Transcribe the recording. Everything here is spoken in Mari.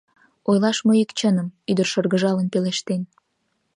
— Ойлаш мо ик чыным? — ӱдыр шыргыжалын пелештен.